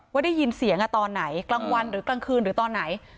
ว่าได้ยินเสียงตอนไหนกลางวันหรือกลางคืนหรือตอนไหน